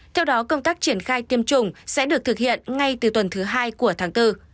theo đó công tác triển khai tiêm chủng sẽ được thực hiện ngay từ tuần thứ hai của tháng bốn